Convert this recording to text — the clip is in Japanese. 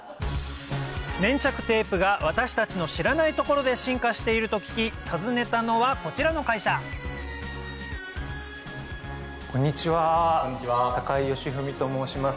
粘着テープが私たちの知らないところで進化していると聞き訪ねたのはこちらの会社こんにちは酒井善史と申します